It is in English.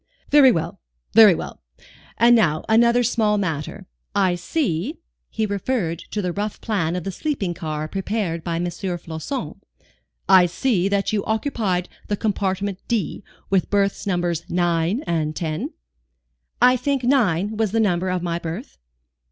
"Very well, very well. And now, another small matter. I see," he referred to the rough plan of the sleeping car prepared by M. Floçon, "I see that you occupied the compartment d, with berths Nos. 9 and 10?" "I think 9 was the number of my berth."